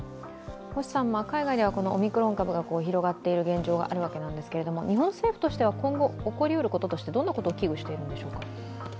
海外ではオミクロン株が広がっている現状があるわけなんですが、日本政府としては今後起こり得ることとしてどんなことを危惧しているでしょうか？